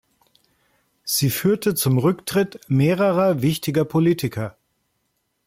Sie führte zum Rücktritt mehrerer wichtiger Politiker.